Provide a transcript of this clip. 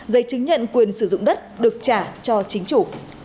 giấy chứng nhận quyền sử dụng đất được trả cho chính chủ